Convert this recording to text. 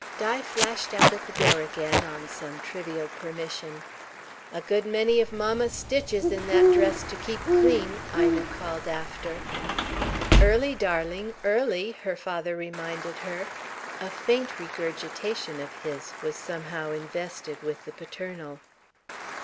Di flashed out at the door again, on some trivial permission. "A good many of mamma's stitches in that dress to keep clean," Ina called after. "Early, darling, early!" her father reminded her. A faint regurgitation of his was somehow invested with the paternal.